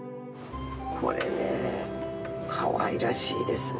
これねえかわいらしいですね。